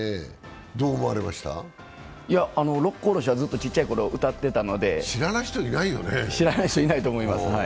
「六甲おろし」はずっとちっちゃいころ歌っていたので知らない人いないと思います。